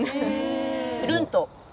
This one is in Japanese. ぷるんと。